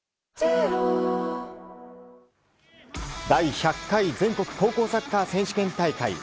第１００回全国高校サッカー選手権大会。